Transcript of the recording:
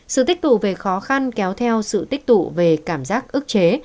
sự tích tụ về khó khăn kéo theo sự tích tụ về cảm giác ức chế